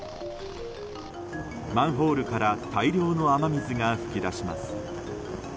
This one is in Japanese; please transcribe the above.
マンホールから大量の雨水が噴き出します。